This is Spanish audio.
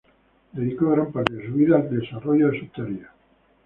Dedicó gran parte de su vida al desarrollo de sus teorías.